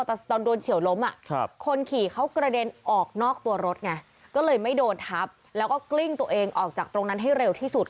แต่ตอนโดนเฉียวล้มคนขี่เขากระเด็นออกนอกตัวรถไงก็เลยไม่โดนทับแล้วก็กลิ้งตัวเองออกจากตรงนั้นให้เร็วที่สุด